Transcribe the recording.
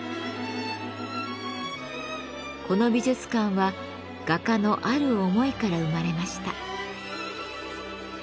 この美術館は画家のある思いから生まれました。